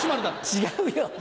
違うよ